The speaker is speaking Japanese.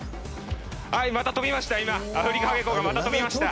また飛びました、